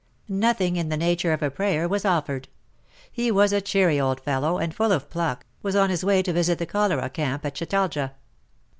Nothing in the nature of a prayer was offered. He was a cheery old fellow and, full of pluck, was on his way to visit the cholera camp at Chatalja.